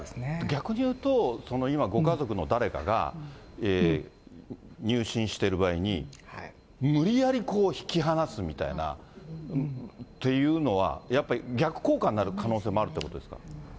逆にいうと、今、ご家族の誰かが入信してる場合に、無理やり引き離すみたいなっていうのは、やっぱり、逆効果になる可能性もあるということですか。